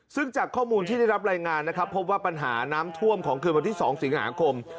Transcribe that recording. ซึ่งจากข้อมูลที่ได้รับรายงานนะครับพบว่าปัญหาน้ำท่วมของคืนวันที่๒สิงหาคม